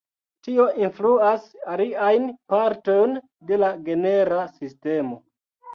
Tio influas aliajn partojn de la genera sistemo.